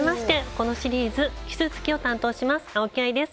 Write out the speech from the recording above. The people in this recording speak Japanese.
このシリーズ奇数月を担当します青木愛です。